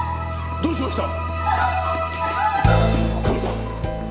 どうしました？